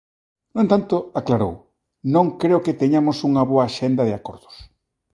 No entanto, aclarou: non creo que teñamos unha boa axenda de acordos.